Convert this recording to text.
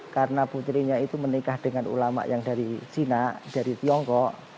karena putrinya itu menikah dengan ulama yang dari china dari tiongkok